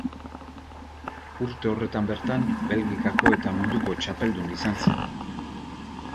Urte horretan bertan Belgikako eta Munduko Txapeldun izan zen.